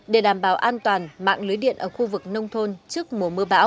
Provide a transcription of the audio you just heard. để đảm bảo an toàn mạng lưới điện ở khu vực nông thôn trước mùa mưa bão